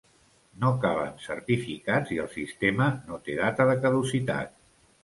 No calen certificats i el sistema no té data de caducitat.